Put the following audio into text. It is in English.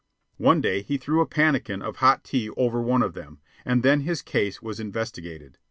One day he threw a pannikin of hot tea over one of them, and then his case was investigated.